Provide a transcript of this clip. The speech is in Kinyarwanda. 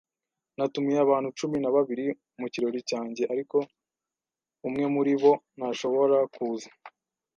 Natumiye abantu cumi na babiri mu kirori cyanjye, ariko umwe muri bo ntashobora kuza.